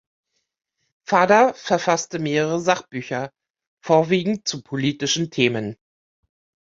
Vader verfasste mehrere Sachbücher, vorwiegend zu politischen Themen.